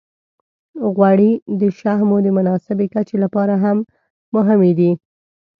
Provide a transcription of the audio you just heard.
غوړې د شحمو د مناسبې کچې لپاره هم مهمې دي.